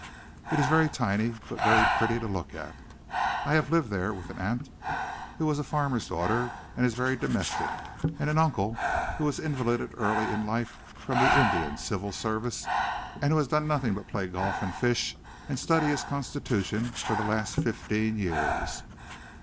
It is very tiny, but very pretty to look at. I have lived there with an aunt who was a farmer's daughter, and is very domestic, and an uncle who was invalided early in life from the Indian Civil Service, and who has done nothing but play golf and fish and study his constitution for the last fifteen years."